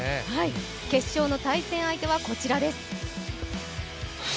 決勝の対戦相手はこちらです。